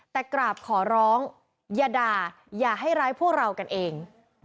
แต่กราบขอร้องอย่าด่าอย่าให้ร้ายพวกเรากันเอง